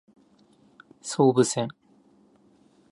総武線